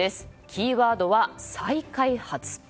キーワードは再開発。